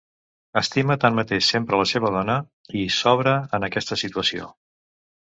Estima tanmateix sempre la seva dona, i s'obre en aquesta situació.